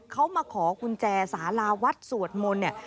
เขามาขอกุญแจสาราวัดสวดมนต์เนี่ย